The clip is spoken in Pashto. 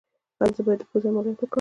ایا زه باید د پوزې عملیات وکړم؟